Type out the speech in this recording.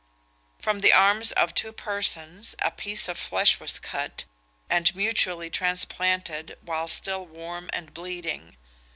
From the arms of two persons a piece of flesh was cut, and mutually transplanted, while still warm and bleeding.